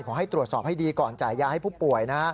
ขอให้ตรวจสอบให้ดีก่อนจ่ายยาให้ผู้ป่วยนะ